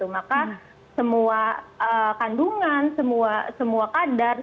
maka semua kandungan semua kadar